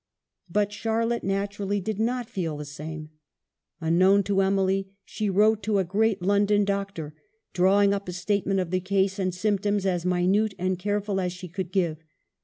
But Charlotte, naturally, did not feel the same. Unknown to Emily, she wrote to a great London doctor, drawing up a statement of the case and symptoms as minute and careful as she could give.